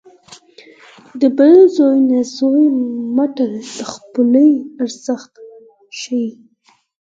د بل زوی نه زوی متل د خپلوۍ ارزښت ښيي